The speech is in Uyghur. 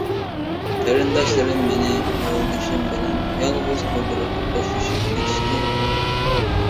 قېرىنداشلىرىم مېنى يولدىشىم بىلەن يالغۇز قالدۇرۇپ خوشلىشىپ كېتىشتى.